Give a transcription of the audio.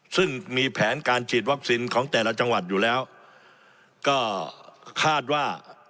ซึ่งมีแผนการฉีดวัคซีนของแต่ละจังหวัดอยู่แล้วก็คาดว่า